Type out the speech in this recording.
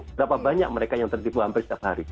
berapa banyak mereka yang tertipu hampir setiap hari